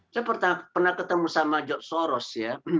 saya pernah ketemu sama jok soros